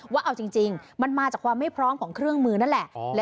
ว่าเอาจริงมันมาจากความไม่พร้อมของเครื่องมือนั่นแหละ